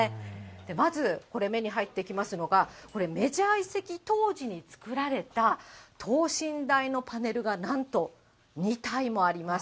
まずこれ、目に入ってきますのが、これ、メジャー移籍当時に作られた、等身大のパネルが、なんと２体もあります。